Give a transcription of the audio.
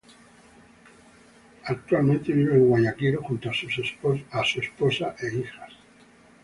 Actualmente vive en Guayaquil junto a su esposa e hijas.